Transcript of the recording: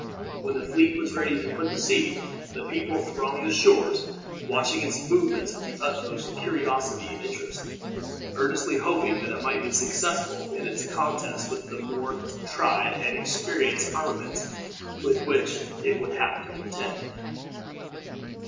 When the fleet was ready to put to sea, the people thronged the shores, watching its movements with the utmost curiosity and interest, earnestly hoping that it might be successful in its contests with the more tried and experienced armaments with which it would have to contend.